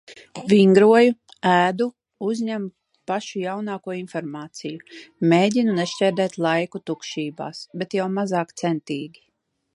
Vingroju. Ēdu. Uzņemu pašu jaunāko informāciju. Mēģinu nešķērdēt laiku tukšībās, bet jau mazāk centīgi.